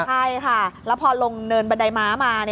ใช่ค่ะแล้วพอลงเนินบันไดม้ามา